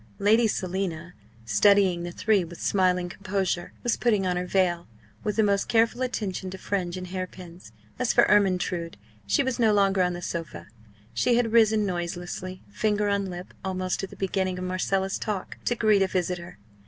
Lady Selina, studying the three with smiling composure, was putting on her veil, with the most careful attention to fringe and hairpins. As for Ermyntrude, she was no longer on the sofa; she had risen noiselessly, finger on lip, almost at the beginning of Marcella's talk, to greet a visitor.